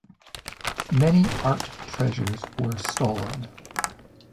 Many art treasures were stolen.